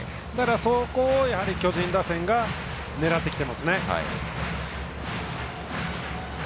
そこを巨人打線が狙ってきていますね。